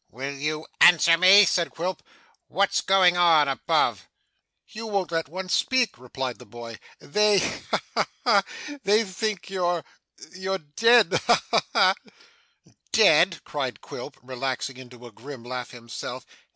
'Will you answer me?' said Quilp. 'What's going on, above?' 'You won't let one speak,' replied the boy. 'They ha, ha, ha! they think you're you're dead. Ha ha ha!' 'Dead!' cried Quilp, relaxing into a grim laugh himself.